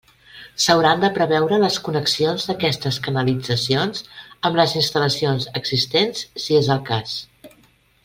S'hauran de preveure les connexions d'aquestes canalitzacions amb les instal·lacions existents si és el cas.